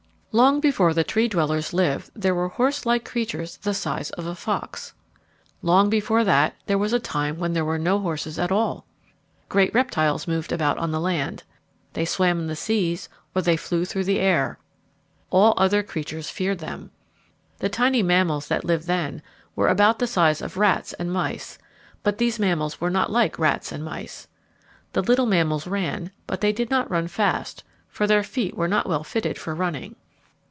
Long before the Tree dwellers lived there were horse like creatures the size of a fox. Long before that there was a time when there were no horses at all. Great reptiles moved about on the land, they swam in the seas, or they flew through the air. All other creatures feared them. The tiny mammals that lived then were about the size of rats and mice, but these mammals were not like rats and mice. The little mammals ran, but they did not run fast, for their feet were not well fitted for running.